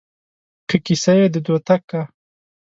که کيسه يې د دوتک کا